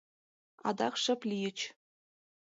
Адак шып лийыч.